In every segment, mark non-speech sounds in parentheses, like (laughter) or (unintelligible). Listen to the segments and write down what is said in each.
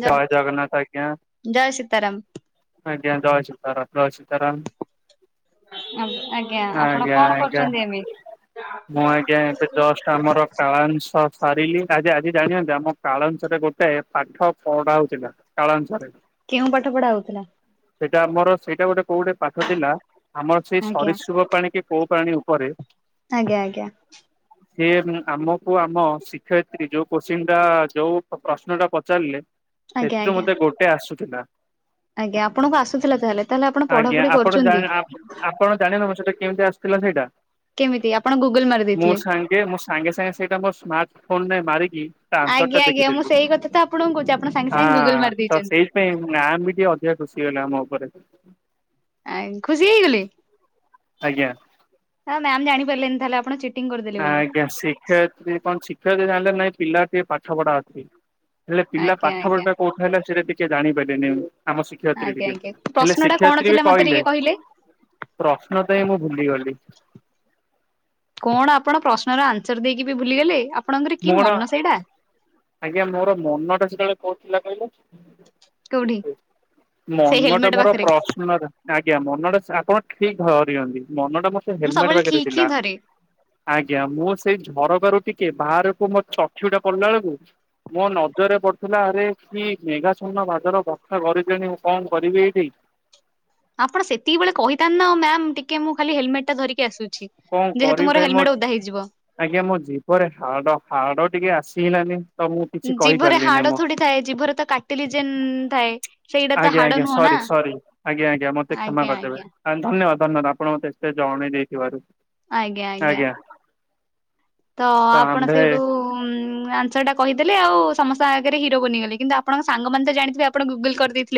ଜୟ ଜଗନ୍ନାଥ ଆଜ୍ଞା ଜୟ ସୀତାରାମ। (inaudible) ଆଜ୍ଞା ଜୟଶ୍ରୀ ତାର ଜୟ ଶ୍ରୀ (unintelligible) ଆଜ୍ଞା ଆପଣ କଣ ଆଜ୍ଞା କରୁଛନ୍ତି ଏବେ? ମୁଁ ଆଜ୍ଞା ଏବେ ଜଷ୍ଟ ଆମର କାଳାଂସ ସାରିଲି ଆଜି ଆଜି ଜାଣିନ୍ତି ଆମ କାଳସରେ ଗୋଟେ ପାଠ ପଢା ହଉଥିଲା କାଳସରେ। କେଉଁ ପାଠ ପଢା ହଉଥିଲା? ସେଇଟା ଆମର ସେଇଟା ଗୋଟେ କୋଉ ଗୋଟେ ପାଠ ଥିଲା ଆମର ସେଇ ଆଜ୍ଞା ସରିଷୁଭ ପାଣି କି କୋଉ ପ୍ରାଣି ଉପରେ। ଆଜ୍ଞା ଆଜ୍ଞା। ସିଏ ଆମକୁ ଆମ ଶିକ୍ଷୟିତ୍ରୀ ଯୋଉ କୋଶ୍ଚିନ୍ ଟା ଯୋଉ ପ୍ରଶ୍ନ ଟା ପଚାରିଲେ। ଆଜ୍ଞା ସେଥିରୁ ଆଜ୍ଞା। ମତେ ଗୋଟେ ଆସୁଥିଲା। ଆଜ୍ଞା ଆପଣଙ୍କୁ ଆସୁଥିଲା ତାହେଲେ ତାହେଲେ ଆପଣ (inaudible) ଆଜ୍ଞା ପଢାପଢି ଆପଣ କରୁଛନ୍ତି ଆପଣ ଜାଣିବେ (unintelligible) କେମିତି ଆସିଥିଲା ସେଇଟା କେମିତି ଆପଣ ଗୁଗୁଲ ମାରି (inaudible) ମୁଁ ଦେଇଥିଲେ? ସାଙ୍ଗେ ମୋ ସାଙ୍ଗେ ସାଙ୍ଗେ ସେଇଟା ମୋ ସାର୍ଟ ରେ ମାରିକି ତା ଆନ୍ସର ଟା ଆଜ୍ଞା ଆଜ୍ଞା ମୁଁ ଦେଖିଦେଲୁ। ସେଇ କଥା ତ ଆପଣଙ୍କୁ କହୁଛି ଆପଣ ସାଙ୍ଗେ ହଁ ସାଙ୍ଗେ ଗୁଗୁଲ ମାରି ତ ଦେଇଛନ୍ତି। ସେଇପାଇଁ ମା ବି ଟିକେ ଅଧିକା ଖୁସି ହେଇଗଲେ ଆମ ଉପରେ। ଆ ଖୁସି ହେଇଗଲେ ଆଜ୍ଞା ମ୍ୟାମ ଜାଣିପାରିଲେନି ତାହଲେ ଆପଣ ଚି ଆଜ୍ଞା ଶିକ୍ଷୟତ୍ରୀ କଣ ଶିକ୍ଷୟତ୍ରୀ ଜାଣିଲେ ନାଇଁ ପିଲା ଟିକେ ପାଠ ପଢା ଅଛି। ହେଲେ ପିଲା ଆଜ୍ଞା ଆଜ୍ଞା ପାଖପଢାଟା କୋଉଠି ହେଲା ସେଟ ଟିକେ ଜାଣିପାରିଲେନି ଏମିତି। ଆମ ଶିକ୍ଷୟତ୍ରୀ ଆଜ୍ଞା ଟିକେ ଆଜ୍ଞା ହେଲେ ପ୍ରଶ୍ନ ଟା କଣ ଶିକ୍ଷୟତ୍ରୀ ବି ଥିଲା ମତେ କହିଲେ ଟିକେ ପ୍ରଶ୍ନ ତ ଏଇ ମୁଁ ଭୁଲିଗଲି। କଣ ଆପଣ ପ୍ରଶ୍ନର ଆନ୍ସର ଦେଇକି ବି ଭୁଲିଗଲେ। ଆପଣଙ୍କର କି ମୁଁ କଣ ମନ ସେଇଟା (inaudible) ଆଜ୍ଞା ମୋର ମନଟା ସେତେବେଳେ କୋଉଠିଥିଲା କହିଲେ? କୋଉଠି? ସେଇ ମନ ଟା ହେଲମେଟ ମୋର ପାଖରେ ପ୍ରଶ୍ନରେ ଆଜ୍ଞା ମନଟା ଆପଣ ଠିକ ଭରିଛନ୍ତି ମନ ଟା ମତେ ମୁଁ ହେଲମେଟ ସବୁବେଳେ ପାଖରେ ଠିକ ହିଁ ଥିଲା ଧରେ। ଆଜ୍ଞା ମୁଁ ସେଇ ଘର ବାରୁ ଟିକେ ବାହାରକୁୁ ମୋ ଚକ୍ଷିୟୁଟା ପଡିଲା ବେଳକୁ। ମୋ ନଜରରେ ପଡିଥିଲା ଆରେ କି ମେଘାଛନ ବାଦଲ ବର୍ଷା ଗରଜିଲାଣି ମୁଁ କଣ କରିବି ଏଇଠି। (inaudible) ଆପଣ ସେତିକି ବେଳେ କହିଥାନ୍ତି ନା ମ୍ୟାମ୍ ଟିକେ ମୁଁ ଖାଲି ହେଲମେଟ ଟା ଧରିକି ଆସୁଛି। କଣ ଯେହେତୁ କରିବି ମୋର ଭାଇ ମୋ ହେଲମେଟ ଓଦା ହେଇଯିବ। ଆଜ୍ଞା ମୋ ଜୀଭରେ ହାଡ ହାଡ ଟିକେ ଆସିହେଲାନି। ଜିଭରେ ହାଡ ଥୋଡୀ ଥାଏ ଜିଭରେ ତ କାଟିଲିଯେନ ଥାଏ ସେଇଟା ତ ଆଜ୍ଞା ହାଡ ଆଜ୍ଞା ନୁହଁ ନା। ସରି ଆଜ୍ଞା ଆଜ୍ଞା ମତେ କ୍ଷମା ଆଜ୍ଞା କରିଦେବେ ଆଜ୍ଞା ଧନ୍ୟବାଦ ଧନ୍ୟବାଦ ଆପଣ ମତେ ଏତେ ଜଣେଇ ଦେଇଥିବାରୁ। ଆଜ୍ଞା ଆଜ୍ଞା। ତ ଆପଣ ସେଇଠୁ ଆନ୍ସରଟା କହିେଲେ ଆଉ ସମସ୍ତଙ୍କ ଆଗରେ ହରୋ ବନିଗଲେ। କିନ୍ତୁ ଆପଣଙ୍କ ସାଙ୍ଗମାନେ ତ ଜାଣିଥିବେ ଆପଣ ଗୁଗଲ କରିଦେଇଥି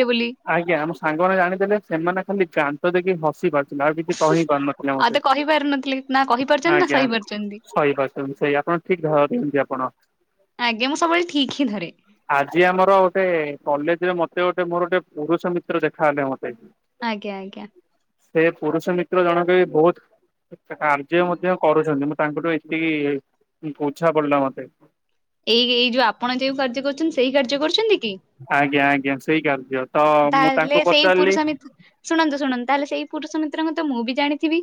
ଆଜ୍ଞା ଆମ ସାଙ୍ଗମାନେ ଜାଣିଥିଲେ ସେମାନେ ଖାଲି ଦାନ୍ତ ଦେଖେଇ ହସି ପାରୁ କିଛି କହି ପାରୁନଥିଲେ ଆଉ ତ ମତେ କହିପାରୁନଥିଲେ ନା କହିପାରୁଛନ୍ତି ନା ଆଜ୍ଞା ସହିପାରୁଛନ୍ତି ଆଉ ଆପଣ ଠିକ ଧରୁଚନ୍ତି ଆପଣ। ଆଜ୍ଞା ମୁଁ ସବୁବେଳେ ଠିକ ହିଁ ଧରେ। ଆଜି ଆମର ଗୋଟେ କଲେଜରେ ମତେ ମତେ ଗୋଟେ ମୋର ଗୋଟେ ପରୁଷ ମିତ୍ର ଦେଖା ହେଲେ ମତେ ଆଜି ଆଜ୍ଞା ଆଜ୍ଞା। ସେ ପୁରୁଷ ମିତ୍ର ଜଣକ ବି ବୋ କାର୍ଯ୍ୟ ମଧ୍ୟ କରୁଚନ୍ତି ମୁଁ ତାଙ୍କଠୁ ଏତିକି ବୁଝା ପଡିଲା ମ ଏଇ ଏଇ ଯୋଉ ଆପଣ ଯୋଉ କାର୍ଯ୍ୟ କରୁଚନ୍ତି ସେଇ କାର୍ଯ୍ୟ କରୁଚନ୍ତି କି? ଆଜ୍ଞା ଆଜ୍ଞା ସେଇ କାର୍ଯ୍ୟ ତ କି ମୁଁ ତାହେଲେ ତାଙ୍କୁ ସେଇ ପଚାରିଲି ପୁରୁଷ ମି ଶୁଣନ୍ତୁ ଶୁଣନ୍ତୁ ତାହେଲେ ସେଇ ପୁରୁଷ ମିତ୍ରଙ୍କ ତ ମୁଁ ବି ଜାଣିଥିବି।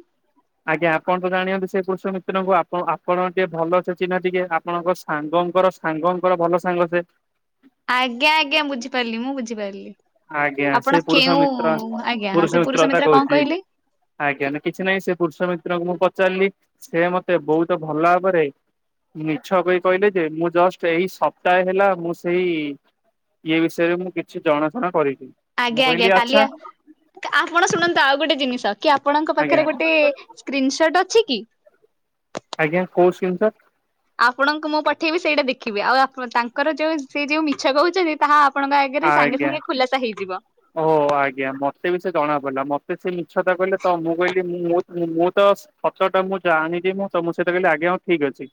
ଆଜ୍ଞା ଆପଣ ତ ଜାଣନ୍ତି ସେ ପୁରୁଷ ମିତ୍ରଙ୍କୁ ଆପଣ ଆପଣଙ୍କ ଟିକେ ଭଲ ସେ ଚିହ୍ନ ଟିକେ ଆପଣଙ୍କ ସାଙ୍ଗ ଙ୍କର ସାଙ୍ଗଙ୍କର ଭଲ ସାଙ୍ଗ ସେ। ଆଜ୍ଞା ଆଜ୍ଞା ବୁଝିପାରିଲି ମୁଁ ବୁଝିପାରିଲି। ଆଜ୍ଞା ଆପଣ ସେ ପୁରୁଷ କେଉଁ ମିତ୍ର ଆଜ୍ଞା ହଁ ପୁରୁଷ ସେ ମିତ୍ର କଥା ମୁଁ କଣ କୋହୁଚି। କହିଲେ? ଆଜ୍ଞା ନ କିଛି ନାହିଁ ସେ ପୁରୁଷ ମିତ୍ରଙ୍କୁ ମୁଁ ପଚାରିଲି ସେ ମତେ ବୋହୁତ ଭଲ ଭାବରେ ମିଛ କହି କହିଲେ ଯେ ମୁଁ ଜଷ୍ଟ ଏଇ ସପ୍ତାହେ ହେଲା ମୁଁ ସେଇ ଏ ବିଷୟରେ ମୁଁ କିଛି ଜଣା ଆଜ୍ଞା ଆଜ୍ଞା କାଲି ଆ ଆପଣ ଶୁଣନ୍ତୁ ଆଉ ଗୋଟେ ଜିନିଷ କି ଆପଣଙ୍କ ଆଜ୍ଞା ପାଖରେ ଗୋଟେ ସ୍କ୍ରିିନସଟ୍ ଅଛି କି? ଆଜ୍ଞା କୋଉ ସ ଆପଣଙ୍କୁ ମୁଁ ପଠେଇବି ସେଇଟା ଦେଖିବି ଆଉ ତାଙ୍କର ଯେଉଁ ସେ ଯେଉଁ ମିଛ କହୁଛନ୍ତି ତାହା ଆପଣଙ୍କ ଆଗରେ ସାଙ୍ଗେ ସାଙ୍ଗେ ଖୁଲାସା ହେଇଯିବ। ଓ ଆଜ୍ଞା ମତେ ବି ସେ ଜଣା ପଡ଼ିଲା ମତେ ସେ ମିଛତା କହିଲ ତ ମୁଁ କହିଲି ମୁ ମୁଁ ତ ହତ ଟା ମୁଁ ଜାଣିନି ମୁଁ ତମ ସହିତ କହଲି ଆ୍ଞା ହଁ ଠିକ ଅଛି।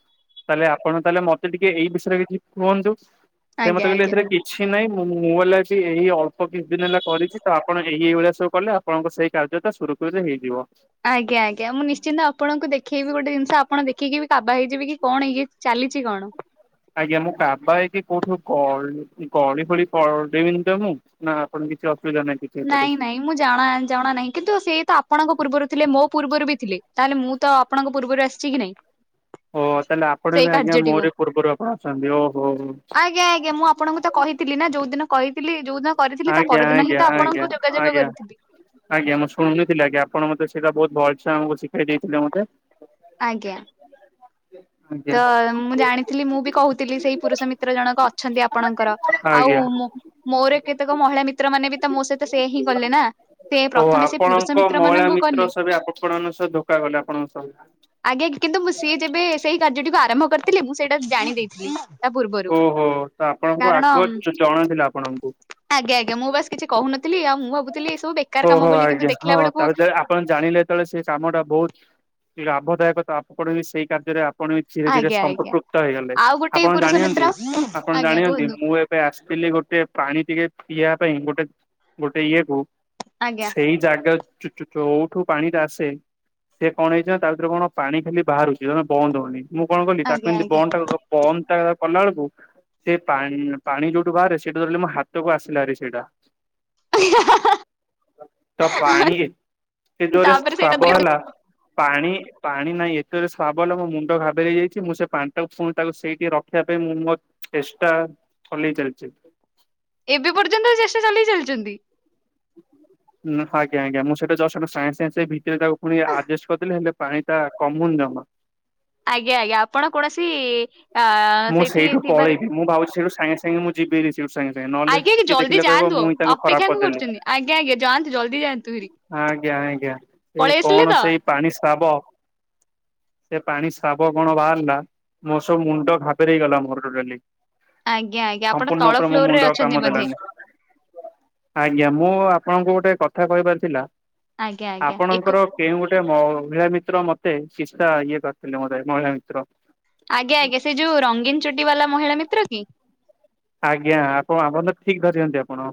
ତାହେଲେ ଆପଣ ତାହେଲେ ମତେ ଟିକେ ଏଇ ବିଷୟରେ କିଛି କୁହନ୍ତୁ। ସେ ମତେ ଆଜ୍ଞା କହିଲେ ଆଜ୍ଞା। ଏଥିରେ କିଛି ନହିଁ ମୁଁ ବଲେ ବି ଏଇ ଅଳ୍ପ କିଛି ଦିନ ହେଲା କରିଚି ତ ଆପଣ ଏଇ ଏଇଭଳିଆ ସବୁ କଲେ ଆପଣଙ୍କ ସେଇ କାର୍ଯ୍ୟଟା ସୁରୁଖୁରୁରେ ହେଇଯିବ। ଆଜ୍ଞା ଆଜ୍ଞା ମୁଁ ନିଶ୍ଚିନ୍ତ ଆପଣଙ୍କୁ ଦେଖେଇବି ଗୋଟେ ଜିନିଷ ଆପଣ ଦେଖିକି ବି କାବା ହେଇଯିବେ କି କଣ ଇଏ ଚାଲିଚି କଣ? ଆଜ୍ଞା ମୋ କାବା ହେଇକି କୋଉଠୁ ଗ ଗଳି ଭଳି ପେଇବି ତ ମୁଁ ନା ଆପଣ କିଛି ଆସୁ ନାଇଁ ନାଇଁ ମୁଁ ଜଣା ଜଣା ନାହିଁ କିନ୍ତୁ ସେ ତ ଆପଣଙ୍କ ପୂର୍ବରୁ ଥିଲେ ମୋ ପୂର୍ବରୁ ବି ଥିଲେ। ତାହେଲେ ମୁଁ ତ ଆପଣଙ୍କ ପୂର୍ବରୁ ଆସିଚି କି ନାଇଁ? ଓ ତାହେଲେ ଆପଣ ସେଇ ବି ଆଜ୍ଞା କାର୍ଯ୍ୟଟିକୁ ମୋରି ପୂର୍ବରୁ ଆପଣ ଅଛନ୍ତି ଓହୋ। ଆଜ୍ଞା ଆଜ୍ଞା ମୁଁ ଆପଣଙ୍କୁ ତ କ କହିଥିଲି ନା ଯୋଉଦିନ କହିଥିଲି ଯୋଉ ଦିନ କରିଥିଲି ତା ଆଜ୍ଞା ପରଦିନ ହିଁ ଆଜ୍ଞା ତ ଆପଣଙ୍କୁ ଆଜ୍ଞା ଯୋଗାଯୋଗ କରିଥିଲି। ଆଜ୍ଞା ମୁଁ ଶୁଣୁନଥିଲି ଆଜ୍ଞା ଆପଣ ମତେ ସେଇଟା ଭଲ ଆମକୁ ଶିଖାଇ ଦେଇଥିଲେ ମୋତେ ଆଜ୍ଞା। ଆଜ୍ଞା ତ ମୁଁ ଜାଣିଥିଲି ମୁଁ ବି କହୁଥିଲି ସେଇ ପୁରୁଷ ମିତ୍ର ଜଣକ ଅଛନ୍ତି ଆପଣଙ୍କର ଆଉ ଆଜ୍ଞା ମୋର କେତେକ ମହିଳା ମିତ୍ର ମାନେ ବି ତ ମୋ ସହିତ ସେ ହିଁ କଲେ ନା ସେ ଓ ପ୍ରଥମେ ସେ ଆପଣଙ୍କ ପୁରୁଷ ମିତ୍ର ମହିଳା ମାନଙ୍କୁ ମିତ୍ର କଲେ ସବେ ଆପଣଙ୍କ ସହ ଧୋକା କଲେ ଆପଣଙ୍କ ସହ ଆଜ୍ଞା କିନ୍ତୁ ସିଏ ଯେବେ ସେଇ କାର୍ଯ୍ୟଟିକୁ ଆରମ୍ଭ କରିଥିଲେ ମୁଁ ସେଇଟା ଜାଣି ଦେଇଥିଲି। ତା ପୂର୍ବରୁ। ଓହୋ ତ ଆପଣଙ୍କୁ ଆଗ କାରଣ ଜଣାଥିଲା ଆପଣଙ୍କୁ? ଆଜ୍ଞା ଆଜ୍ଞା ମୁଁ ବାସ କିଛି କହୁନଥିଲି ଆଉ ମୁଁ ଭାବୁଥିଲି ସବୁ ବେକାର କାମ ବୋଲି କିନ୍ତୁ ଦେଖିଲା ବେଳକୁ ଯେତେଳେ ସେ କାମ ଟା ବୋହୁତ ଲାଭଦାୟକ ତ ଆପଣ ସେଇ କାର୍ଯ୍ୟରେ ଆପଣ ଧୀରେ ଧୀରେ ଆଜ୍ଞା ଆଜ୍ଞା ସମ୍ପପୃକ୍ତ ହେଇଗଲେ ଆଉ ଗୋଟେ ଆପଣ ଜାଣ ପୁରୁଷ ମିତ୍ର ଆପଣ ଆଜ୍ଞା ଜାଣିନ୍ତି କୁହନ୍ତୁ ମୁଁ ଏବେ ଆସିଥିଲି ଗୋଟେ ପାଣି ଟିକେ ପିଏ ଯ ପାଇଁ ଗୋଟେ ଗୋଟେ ଇଏ କୁ ଆଜ୍ଞା ସେଇ ଜାଗା ଯୋଉଠୁ ପାଣି ଟା ଆସେ ସେ କଣ ହେଇଚି ନା ତା ଭିତରେ କଣ ପାଣି ଖାଲି ବାହାରୁଛି ଜମା ବନ୍ଦ ହଉନି। ମୁଁ କଣ କଲି ତାକୁ ଆଜ୍ଞା ଏମତି ଆଜ୍ଞା ବନ୍ଦ ଟା ବନ୍ଦ ଟା କଲା ବେଳକୁ ସେ ପାଣି ଯୋଉଠୁ ବାହାରେ ସେଇଠୁ ଧରିଲ ମୋ ହାତକୁ ଆସିଲାରେ ସେଇଟା। ତ ପାଣି ସେ ଯୋରେ ତାପରେ ସେଇଟା ଶ୍ରାବ ଦ- ହେଲା ପାଣି ପାଣି ନାଇଁ ଏତେ ଜୋରେ ସ୍ରାବ ହେଲା ମୋ ମୁଣ୍ଡ ଘାବେରେଇ ଯାଇଛି, ମୁଁ ସେ ପାଣି ଟାକୁ ପୁଣିବ ତାକୁ ସେଇଠି ରଖ ରଖିବା ପାଇଁ ମୁଁ ମୋର ଚେଷ୍ଟା ଚଲେଇ ଚାଲିଚି। ଏବେ ପର୍ଯ୍ୟନ୍ତ ବି ଚେଷ୍ଟା ଚଲେଇ ଚାଲିଚନ୍ତି? ଆଜ୍ଞା ଆଜ୍ଞା। ମୁଁ ସେଟା ଜଷ୍ଟ୍ ସାଙ୍ଗେ ସାଙ୍ଗେ ଭିତରେ ତାକୁ ପୁଣି ଆଡଜଷ୍ଟ କରିଦେଲି ହେଲେ ପାଣି ଟା କମୁନି ଜମା। ଆଜ୍ଞା ଆଜ୍ଞା ଆପଣ କୌଣସି ଆ ମୁଁ ସେଇଠି ସେଇଠୁ ଥିବାରେ ପଳେଇବି ମୁଁ ଭାବୁଚି ସେଇଠୁ ସାଙ୍ଗେ ସାଙ୍ଗେ ମୁଁ ଯିବି। ସାଙ୍ଗେ ସାଙ୍ଗେ ନହେଲେ ଆଜ୍ଞା ଆଜ୍ଞା କିଏ ଜଲ୍ଦି ଦେଖିଲେ କହିବ ଯାଆନ୍ତୁ ମୁଁ ଆଉ ହିଁ ତାଙ୍କୁ ଖରାପ ଅପେକ୍ଷା କଣ କରିଦେଲି। କରୁଛନ୍ତି ଆଜ୍ଞା ଆଜ୍ଞା ଯାଆନ୍ତୁ ଜଲ୍ଦି ଯାଆନ୍ତୁ ହେରି। ଆଜ୍ଞା ଆଜ୍ଞା ସେଇ ପଳେଇ ଆସିଲେ କଣ ତ ସେଇ ପାଣି ସ୍ରାବ ସେ ପାଣି ସ୍ରାବ କଣ ବାହାରିଲା ମୋ ସବୁ ମୁଣ୍ଡ ଘା ବେରେଇ ଗଲା ମୋର ଟୋଟାଲି। ଆଜ୍ଞା ଆଜ୍ଞା ଆପଣ ସମ୍ପୂର୍ଣ୍ଣ ତଳ ଉପରେ ମୋ ଫ୍ଲୋର ରେ ମୁଣ୍ଡ ଆଉ ଅଛନ୍ତି କାମ ବୋଧେ ଦେଲାନି। ଆଜ୍ଞା ମୁଁ ଆପଣଙ୍କୁ ଗୋଟେ କଥା କହିବାର ଥିଲା, ଆଜ୍ଞା ଆଜ୍ଞା ଏକ ଆପଣଙ୍କର କେଉଁ ଗୋଟେ ମହିଳା ମିତ୍ର ମତେ କିଛି ଟା ଇଏ କରିଥିଲେ ମୋତେ, ମହିଳା ମିତ୍ର। ଆଜ୍ଞା ଆଜ୍ଞା ସେ ଯୋଉ ରଙ୍ଗୀନ ଚୁଟି ବାଲା ମହିଳା ମିତ୍ର କି? ଆଜ୍ଞା ଆପଣ ଆପଣ ତ ଠିକ୍ ଧରିଛନ୍ତି ଆପଣ।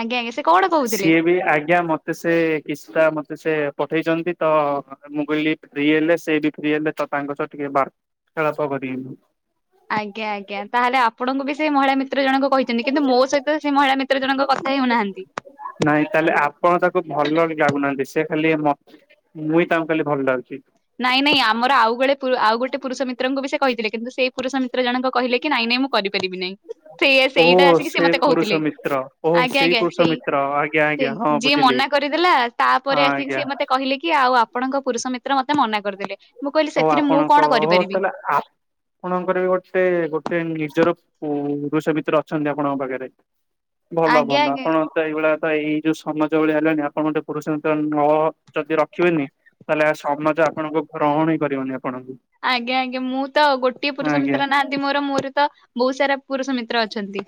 ଆଜ୍ଞା ଆଜ୍ଞା ସେ କଣ କହୁଥିଲେ? ସିଏ ବି ଆଜ୍ଞା ମତେ ସେ କିଛି ଟା ମତେ ସେ ପଠେଇଛନ୍ତି ତ ମୁଁ କହିଲି ଫ୍ରି ହେଲେ ସେ ବି ଫ୍ରି ହେଲେ ତ ତାଙ୍କ ସହ ଟିକେ ବାର୍ତ୍। (unintelligible) ଆଜ୍ଞା ଆଜ୍ଞା ତାହେଲେ ଆପଣଙ୍କୁ ବି ସେଇ ମହିଳା ମି ମିତ୍ର ଜଣକ କହିଛନ୍ତି। କିନ୍ତୁ ମୋ ସହିତ ସେ ମହିଳା ମିତ୍ର ଜଣଙ୍କ କଥା ହେଉନାହାନ୍ତି। ନାଇଁ ତାହେଲେ ଆପଣ ତାକୁ ଭଲ। (unintelligible) ସେ ଖାଲି ମ ମୁହିଁ ତାଙ୍କୁ ଖାଲି ଭଲ ଲାଗୁଛି। ନାଇଁ ନାଇଁ ଆମର ଆଉ ଗୋଳେ ଆଉ ଗୋଟେ ପୁରୁଷ ମିତ୍ରଙ୍କୁ ବି ସେ କହିଥିଲେ, କିନ୍ତୁ ସେଇ ପୁରୁଷ ମିତ୍ର ଜଣକ କହିଲେ କି ନାଇଁ ନାଇଁ ମୁଁ କରିପାରିବି ନାହିଁ। ସେଇଆ ସେଇଟା ଓହୋ ଆସିକି ସିଏ ସେ ମତେ ପୁରୁଷ କହୁଥିଲେ। ମିତ୍ର ଓହୋ ଆଜ୍ଞା ଆଜ୍ଞା ପୁରୁଷ ସେଇ ମିତ୍ର ଆଜ୍ଞା ସେ ଆଜ୍ଞା ହଁ ଯିଏ ବୁଝିଲି। ମନା କରିଦେଲା। ହଁ ତାପରେ ଆସିକି ଆଜ୍ଞା ସିଏ ମତେ କହିଲେ କି ଆଉ ଆପଣଙ୍କ ପୁରୁଷ ମିତ୍ର ମତେ ମନା କରିଦେଲେ। ମୁଁ କହିଲି ହଉ ସେଥିରେ ମୁଁ ଆପଣଙ୍କ କଣ କରିପାରିବି ତାହଲେ ଆପଣଙ୍କର ବି ଗୋଟେ ଗୋଟେ ନିଜର ଓ ରୋଷେଇ ଭିତରେ ଅଛନ୍ତି ଆପଣଙ୍କ ପାଖରେ। ଭଲ ଆଜ୍ଞା ଭଲ ଆଜ୍ଞା ଆପଣ ତ ଏଇଭଳିଆ ତ ଏଇ ଯୋଉ ସମାଜ ଭଳିଆ ହେଲାଣି ଆପଣ ଗୋଟେ ପୁରୁଷ ନ ଯଦି ରଖିବେନି ତାହେଲେ ସମାଜ ଆପଣଙ୍କ ରହଣି ଆଜ୍ଞା ଆଜ୍ଞା ମୁଁ ତ ଗୋଟିଏ ପୁରୁଷ ଆଜ୍ଞା ମିତ୍ର ନାହାଁନ୍ତି ମୋର। ମୋର ତ ବହୁତ ସାରା ପୁରୁଷ ମିତ୍ର ଅଛନ୍ତି।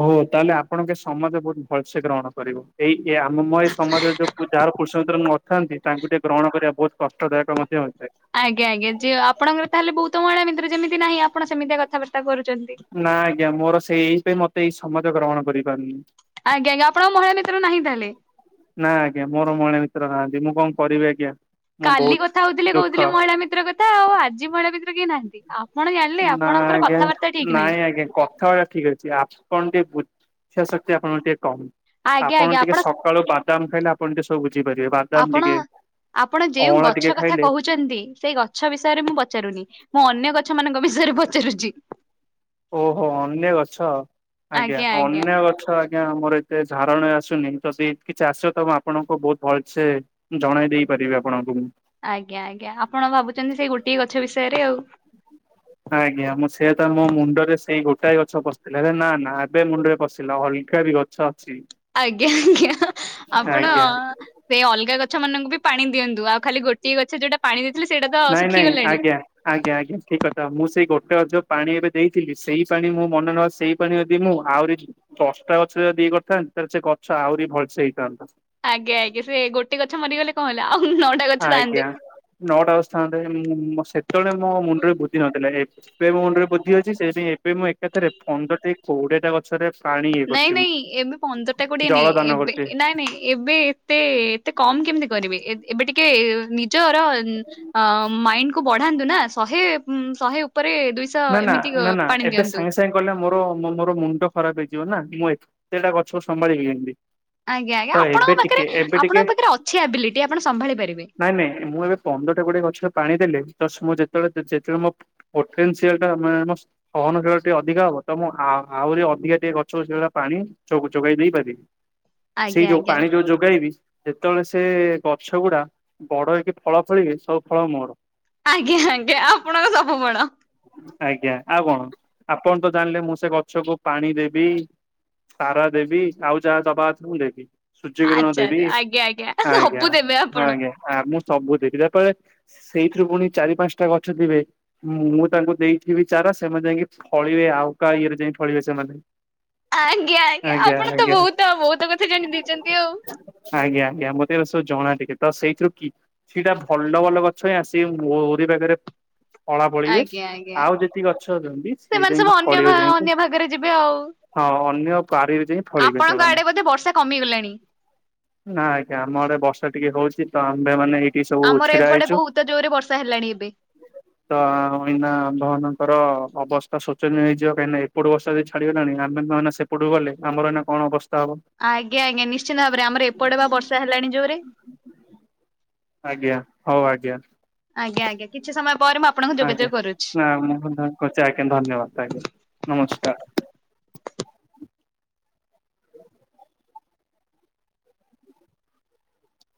ଓ ତାହେଲେ ଆପଣଙ୍କ ସମାଜ ବହୁତ ଭଲସେ ଗ୍ରହଣ କରିବ। ଏଇ କେ ଆମ ମ ଏଇ ସମାଜରେ ଯୋଉ ପୂଜା ଯାହାର ପୁରୁଷ ମିତ୍ର ନଥାନ୍ତି, ତାଙ୍କୁ ଟିକେ ଗ୍ରହଣ କରିବା ବହୁତ କଷ୍ଟଦାୟକ ମଧ୍ୟ। ହୋଇଥାଏ। ଆଜ୍ଞା ଆଜ୍ଞା ଯି ଆପଣଙ୍କର ତାହେଲେ ବହୁତ ମହିଳା ମିତ୍ର ଯେମିତି ନାହିଁ ଆପଣ ସେମତି କଥାବାର୍ତ୍ତା କରୁଛନ୍ତି। ନା ଆଜ୍ଞା ମୋର ସେଇ ଏଇ ପାଇଁ ମତେ ଏଇ ସମାଜ ଗ୍ରହଣ କରିପାରୁନି। ଆଜ୍ଞା ଆଜ୍ଞା ଆପଣଙ୍କ ମହିଳା ମିତ୍ର ନାହିଁ ତାହେଲେ। ନା ଆଜ୍ଞା ମୋର ମହିଳା ମିତ୍ର ନାହାଁନ୍ତି। ଯିଏ ମୁଁ କଣ କରିବି ଆଜ୍ଞା? ମୁଁ କାଲି ବହୁତ କଥା ହଉଥିଲେ ଦୁଃଖ କହୁଥିଲେ ମହିଳା ମିତ୍ର କଥା। ଆଉ ଆଜି ମହିଳା ମିତ୍ର କିଏ ନାହାନ୍ତି। ଆପଣ ଜାଣିଲେ ନାଁ ଆପଣଙ୍କର ଆଜ୍ଞା କଥାବାର୍ତ୍ତା ଠିକ ନାହିଁ ନାଇଁ ଆଜ୍ଞା କଥାବାର୍ତ୍ତା ଠିକ୍ ଅଛି। ଆପଣ ଟିକେ ବୁଝ ବୁଝିବା ଶକ୍ତି ଆପଣଙ୍କର ଟିକେ କମ୍। ଆଜ୍ଞା ଆପଣ ଆଜ୍ଞା ଟିକେ ସକାଳୁ ବାଦାମ ଖାଇଲେ ଆପଣ ଟିକେ ସବୁ ବୁଝିପାରିବେ ବାଦାମ ଆପଣ ଟିକେ ଆପଣ ଯେଉଁ ଅଁଳା ଟିକେ ଗଛ କଥା ଖାଇଲେ କହୁଛନ୍ତି ସେଇ ଗଛ ବିଷୟରେ ମୁଁ ପଚାରୁନି। ମୁଁ ଅନ୍ୟ ଗଛ ମାନଙ୍କ ବିଷୟରେ ପଚାରୁଚି। ଓହୋ ଅନ୍ୟ ଗଛ ଆଜ୍ଞା ଅନ୍ୟ ଗଛ ଆଜ୍ଞା ଆମର ଏତେ ଝରଣା ଆସୁ ନି ଯଦି କିଛି ଆସିବ ତ ମୁଁ ଆପଣଙ୍କୁ ବହୁତ ଭଲସେ ଜଣେଇ ଦେଇ ପାରିବି ଆପଣଙ୍କୁ। ଆଜ୍ଞା ଆଜ୍ଞା ଆପଣ ଭାବୁଛନ୍ତି ସେଇ ଗୋଟିଏ ଗଛ ବିଷୟରେ ଆଉ। ଆଜ୍ଞା ମୁଁ ସେଇଆ ତ ମୋ ମୁଣ୍ଡରେ ସେଇ ଗୋଟାଏ ଗଛ ପଶଥିଲା ହେରେ ନା ନା ଏବେ ମୁଣ୍ଡରେ ପଶିଲା ଅଲ ଶିକାରି ଗଛ ଅଛି। ଆଜ୍ଞା ଆଜ୍ଞା ଆପଣ ଆଜ୍ଞା ସେଇ ଅଲଗା ଗଛ ମାନଙ୍କୁ ବି ପାଣି ଦିଅନ୍ତୁ, ଆଉ ଖାଲି ଗୋଟିଏ ଗଛ ଯୋଉଟା ପାଣି ଦେଇଥିଲେ ସେଇଟା ତ ନାଇଁ ନାଇଁ ଶୁଖିଗଲାଣି। ଆଜ୍ଞା ଆଜ୍ଞା ଆଜ୍ଞା ଠିକ କଥା, ମୁଁ ସେଇ ଗୋଟ ଟେ ଗଛ ପାଣି ଏବେ ଦେଇଥିଲି ସେଇ ପାଣି ମୁଁ ମନେ ନ ସେଇ ପାଣି ଯଦି ମୁଁ ଆହୁରି ଦଶଟା ଗଛ ଯଦି ଇଏ କରିଥାନ୍ତି, ତାହେଲେ ସେ ଗଛ ଆହୁରି ଭଲସେ ହେଇଥାନ୍ତା। ଆଜ୍ଞା ଆଜ୍ଞା ସେ ଏ ଗୋଟେ ଗଛ ମରିଗଲେ କଣ ହେଲା ଆଉ ନଅଟା ଗଛ ଥାନ୍ତେ। ଆଜ୍ଞା ନଅଟା ଗଛ ଥାନ୍ତେ ମୁଁ ସେତେବେଳେ ମୋ ମୁଣ୍ଡରେ ବୁଦ୍ଧି ନଥିଲା ଏବେ ମୋ ମୁଣ୍ଡରେ ବୁଦ୍ଧି ଅଛି ସେଥିପାଇଁ ଏବେ ମୁଁ ଏକାଥରେ ପନ୍ଦରଟା କି କୋଡିଏଟା ଗଛରେ ପାଣି ଇଏ ନାଇଁ କରୁଛି ମୁଁ ନାଇଁ ଏବେ ପନ୍ଦରଟା କୋଡିଏ ଜଳ ନାଇ ଦାନ ଏବେ କରୁଛି ନାଇଁ ନାଇଁ ଏବେ ଏତେ ଏତେ କମ କେମ ତି କରିବେ ଏ-ଏବେ ଟି କେ ନିଜର ଅଁ ମାଇଣ୍ଡକୁ ବଢାନ୍ତୁ ନା ଶହେ ଉଁ ଶହେ ଉପରେ ଦୁଇଶହ ଏମିତି ନା-ନା-ନା-ନା ପାଣି ଏବେ ଦିଅନ୍ତୁ। ସାଙ୍ଗେ ସାଙ୍ଗେ କଲେ ମୋର ମୋର ମୁଣ୍ଡ ଖରାପ ହେଇ ଯିବ ନା ମୁଁ ଏତେଟା ଗଛ ସମ୍ଭାଳିବି କେମିତି? ଆଜ୍ଞା ତ ଆଞା ଏବେ ଆପଣଙ୍କ ପାଖରେ ଟିକେ ଏବେ ଟିକେ ଆପଣଙ୍କ ପାଖରେ ଅଛି ଆବିଲିଟି ଆପଣ ସମ୍ଭାଳି ପାରିବେ। ନାଇଁ ନାଇଁ ମୁଁ ଏବେ ପନ୍ଦରଟା କୋଡିଏଟା ଗଛରେ ପାଣି ଦେଲେ ତ ସେ ମୁଁ ଯେତବେଳେ ଯେତେବେଳ (unintelligible) ସିଏ ଏକା ମାନେ ମୋ ସହନଶୀଳ ଟିକେ ଅଧିକା ହବ, ତ ମୁଁ ଆଉ ଆହୁରି ଅଧିକା ଟିକେ ଗଛ ସେଗୁରା ପାଣି ସବୁ ଯୋଗାଇ ଦେଇ ପାରିବି, ସେଇ ଆଜ୍ଞା ଯୋଉ ଆଜ୍ଞା ପାଣି ଯୋଉ ଯୋଗେଇବି ଯେତେବେଳେ ସେ ସେ ଗଛ ଗୁଡା ବଡ ହେଇକି ଫଳ ଫଳିବେ ସବୁ ଫଳ ମୋର। ଆଜ୍ଞା ଆଜ୍ଞା ଆପଣଙ୍କ ସବୁ ବଡ। ଆଜ୍ଞା ଆଉ କଣମ ଆପଣ ତ ଜାଣିଲେ ମୁଁ ସେ ଗଛକୁ ପାଣି ଦେବି ଚାରା ଦେବି, ଆଉ ଯାହା ଦବା କଥା ମୁଁ ଦେବି। ସୂର୍ଯ୍ୟ କିିରଣ ଆଚ୍ଛା ଦେବି, ଆଜ୍ଞା ଆଜ୍ଞା ସବୁ ଦେବେ ଆପଣ। ଆଞା ଆ ମୁଁ ସବୁ ଦେବି, ତାପରେ ସେଇଥିରୁ ପୁଣି ଚାରି ପାଞ୍ଚଟା ଗଛଥିବେ, ମୁଁ ତାଙ୍କୁ ଦେଇଥିବି ଚାରା ସେମାନେ ଯାଇକି ଫଳିବେ ଆଉ କାହା ଇଏରେ ଯାଇ ଫଳିବେ ସେମାନେ। ଆଜ୍ଞା ଆଜ୍ଞା ଆପଣ ତ ବହୁତ ଆଉ ବହୁତ କଥା ଜାଣିଦେଇଛନ୍ତି ଆଉ। ସେଗୁରା ସବୁ ଜଣା ଟିକେ ତ ସେଇଥିରୁ କିଛିଟା ଭଲ ଭଲ ଗଛ ହଁ ଆସିିକ ମୋରି ପାଖରେ ପଳା ପଳିବେ ଆଜ୍ଞା ଆଜ୍ଞା ଆଉ ଯେତିକି ଗଛ ଅଛନ୍ତି ସିଏ ସେମାନେ ଯାଇକି ସବୁ ଅନ୍ୟ ଫଳବେ ଭା ଯାଇକି ଅନ୍ୟ ଭାଗରେ ଯିବେ ଆଉ। ଅ ପାରିବା ଯାଏଁ ଫଳିିବେ ଆପଣଙ୍କ ସେମାନେ। ଆଡେ ବୋଧେ ବର୍ଷା କମିଗଲାଣି ନା ଆଜ୍ଞା ଆମଆଡେ ବର୍ଷା ଟିକେ ହଉଛି ତ ଆମ୍ଭେମାନେ ଏ ସବୁ ଆମର ଛିଡା ଏପଟେ ହେଇଛୁ ବହୁତ ଜୋରରେ ବର୍ଷା ହେଲାଣି ଏବେ। ତ ଆମ୍ଭ ମାନଙ୍କର ଅବସ୍ଥା ଶୋଚନୀୟ ହେଇଯିବ କାଇଁନା ଏପଟୁ ବର୍ଷା ଯଦି ଛାଡିଗଲାଣି ଆମୋ ନହେଲେ ସେପଟକୁ ଗଲେ ଆମର ଏଇନା କଣ ଅବସ ଆଜ୍ଞା ଆଜ୍ଞା ନିଶ୍ଚିନ୍ତ ଭାବରେ ଆମର ଏପଟେ ବା ବର୍ଷା ହେଲାଣି ଜୋରେ। ଆଜ୍ଞା ହଉ ଆଜ୍ଞା। ଆଜ୍ଞା ଆଜ୍ଞା କିଛି ସମୟ ପରେ ମୁଁ ଆପଣଙ୍କୁ ଆଜ୍ଞା ଯୋଗାଯୋଗ କରୁଛି। ନା (unintelligible) ଆଜ୍ଞା ଧନ୍ୟବାଦ ଆଜ୍ଞା ନମସ୍କାର।